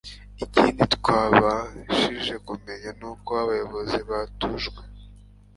Ikindi twabashije kumenya n'uko abayobozi batujwe